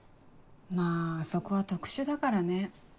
まぁあそこは特殊だからね。